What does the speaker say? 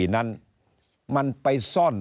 นั้นมันไปซ่อน